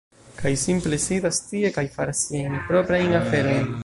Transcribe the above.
Kaj simple sidas tie kaj faras siajn proprajn aferojn...